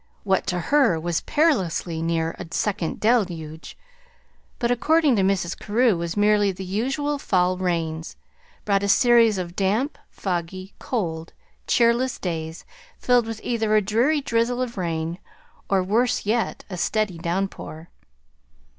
What to her was perilously near a second deluge but according to Mrs. Carew was merely "the usual fall rains" brought a series of damp, foggy, cold, cheerless days, filled with either a dreary drizzle of rain, or, worse yet, a steady downpour.